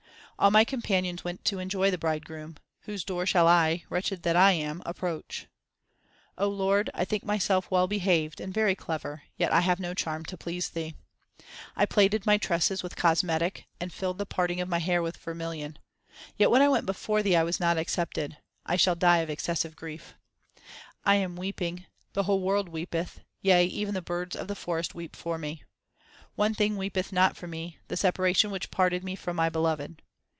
All my companions went to enjoy the Bridegroom ; whose door shall I, wretched that I am, approach ? Lord, I think myself well behaved and very clever, yet I have no charm to please Thee. 1 plaited my tresses with cosmetic and filled the parting of my hair with vermilion ; Yet when I went before Thee I was not accepted ; I shall die of excessive grief. I am weeping ; the whole world weepeth ; yea, even the birds of the forests weep for me. One thing weepeth not for me, the separation which parted me from my Beloved.